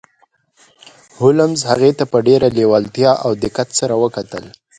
هولمز هغې ته په ډیره لیوالتیا او دقت سره وکتل